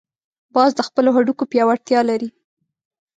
باز د خپلو هډوکو پیاوړتیا لري